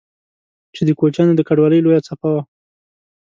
چې د کوچيانو د کډوالۍ لويه څپه وه